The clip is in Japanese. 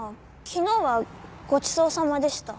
昨日はごちそうさまでした。